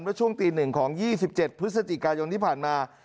แล้วช่วงตีหนึ่งของ๒๗พฤศจิกายนที่ผ่านมา